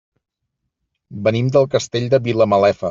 Venim del Castell de Vilamalefa.